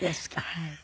はい。